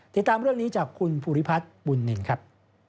ติดตามเรื่องนี้จากคุณภูริพัฒน์บุญนินครับ